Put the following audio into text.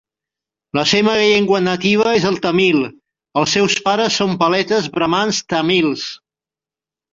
La seva llengua nativa és el tàmil, els seus pares són paletes bramans tàmils.